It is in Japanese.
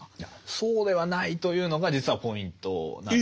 そうではないというのが実はポイントなんですね。